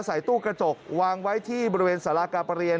ใส่ตู้กระจกวางไว้ที่บริเวณสารากาประเรียน